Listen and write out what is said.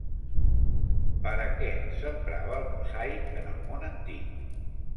Per a què s'emprava el mosaic en el món antic?